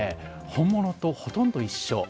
本物とほとんど一緒。